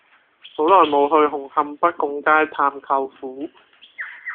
好耐無去紅磡北拱街探舅父